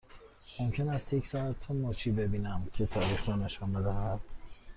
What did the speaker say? ممکن است یک ساعت مچی ببینم که تاریخ را نشان می دهد؟